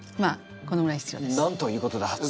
このぐらい必要です。